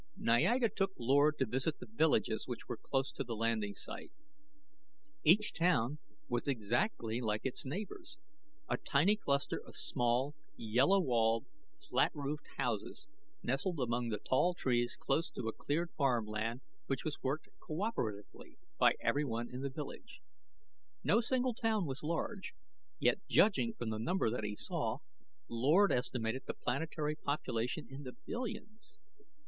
Niaga took Lord to visit the villages which were close to the landing site. Each town was exactly like its neighbors, a tiny cluster of small, yellow walled, flat roofed houses nestled among the tall trees close to a cleared farmland which was worked co operatively by everyone in the village. No single town was large, yet judging from the number that he saw, Lord estimated the planetary population in the billions.